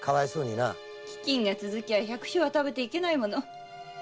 飢饉が続けば百姓は食べていけないもの。